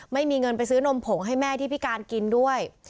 ไม่มีเงินไปซื้อนมผงให้แม่ที่พิการกินด้วย